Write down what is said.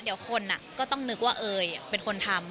เดี๋ยวคนก็ต้องนึกว่าเอ๋ยเป็นคนทำ